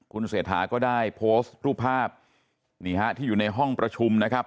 คุณเศรษฐาก็ได้โพสต์รูปภาพนี่ฮะที่อยู่ในห้องประชุมนะครับ